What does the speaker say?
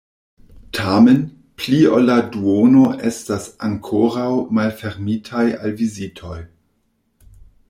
Tamen, pli ol la duono estas ankoraŭ malfermitaj al vizitoj.